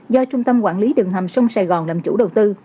do trung tâm quản lý đường hầm sông sài gòn làm chủ đầu tư